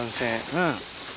うん。